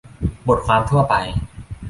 - "บทความทั่วไป"